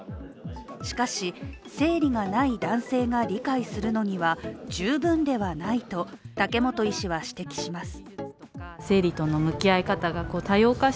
しかし、生理がない男性が理解するのには十分ではないと竹元医師は指摘します。